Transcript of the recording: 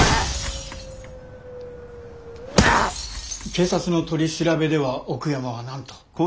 警察の取り調べでは奥山は何と？